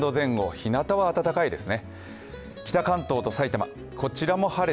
ひなたは暖かいですね。